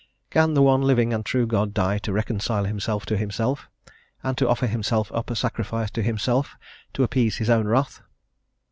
Can the one living and true God die to reconcile himself to himself, and to offer himself up a sacrifice to himself to appease his own wrath?